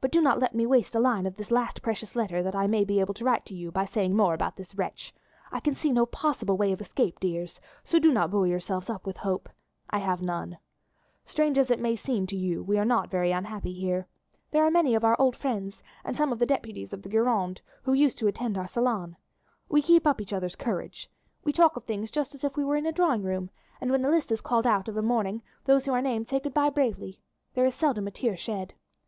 "But do not let me waste a line of this last precious letter that I may be able to write to you by saying more about this wretch. I can see no possible way of escape, dears, so do not buoy yourselves up with hope. I have none. Strange as it may seem to you we are not very unhappy here. There are many of our old friends and some of the deputies of the Gironde, who used to attend our salon. We keep up each other's courage. We talk of other things just as if we were in a drawing room, and when the list is called out of a morning, those who are named say good bye bravely; there is seldom a tear shed.